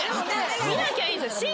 見なきゃいいんですよ。